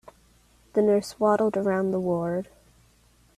The nurse waddled around the ward.